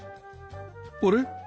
あれ？